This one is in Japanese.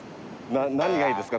何がいいですか？